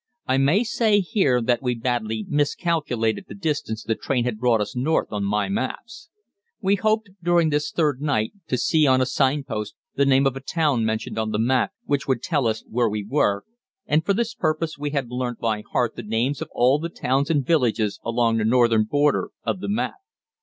I may say here that we badly miscalculated the distance the train had brought us north on my maps. We hoped during this third night to see on a sign post the name of a town mentioned on the map which would tell us where we were, and for this purpose we had learnt by heart the names of all the towns and villages along the northern border of the map.